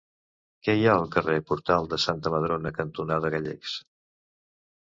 Què hi ha al carrer Portal de Santa Madrona cantonada Gallecs?